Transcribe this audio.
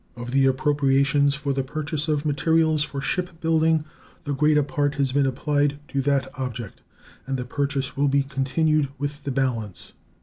Of the appropriations for the purchase of materials for ship building, the greater part has been applied to that object and the purchase will be continued with the balance.